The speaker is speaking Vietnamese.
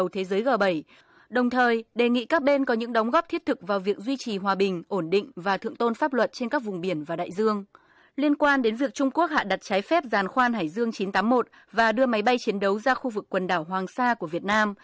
trung quốc hạ đặt trái phép giàn khoan hải dương chín trăm tám mươi một và đưa máy bay chiến đấu ra khu vực quần đảo hoàng sa của việt nam